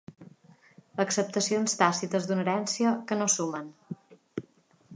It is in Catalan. Acceptacions tàcites d'una herència, que no sumen.